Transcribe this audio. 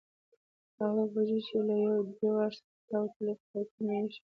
هغه بوجۍ یې له دیوال څخه پر راوتلو پایپونو ایښې وې.